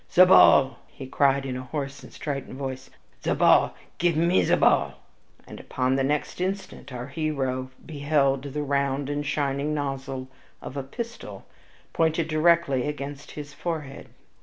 "Ze ball!" he cried, in a hoarse and strident voice. "Ze ball! Give me ze ball!" And upon the next instant our hero beheld the round and shining nozzle of a pistol pointed directly against his forehead.